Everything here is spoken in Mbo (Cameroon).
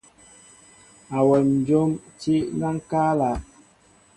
Awem njóm tí na ŋkala.